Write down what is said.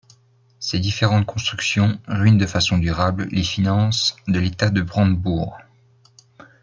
Ces différentes constructions ruinent de façon durable les finances de l'État de Brandebourg.